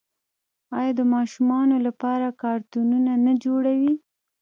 آیا د ماشومانو لپاره کارتونونه نه جوړوي؟